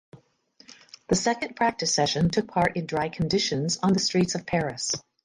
The second practice session took part in dry conditions on the streets of Paris.